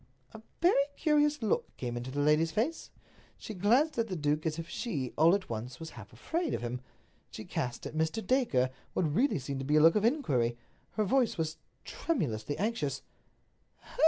A very curious look came into the lady's face. She glanced at the duke as if she, all at once, was half afraid of him. She cast at Mr. Dacre what really seemed to be a look of inquiry. Her voice was tremulously anxious.